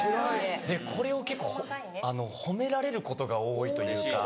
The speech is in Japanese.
これを結構褒められることが多いというか。